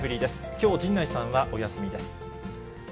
きょう、陣内さんはお休みです。